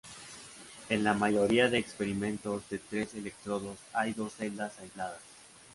En la mayoría de experimentos de tres electrodos hay dos celdas aisladas.